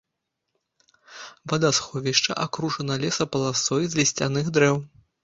Вадасховішча акружана лесапаласой з лісцяных дрэў.